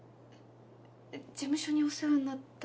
事務所にお世話になった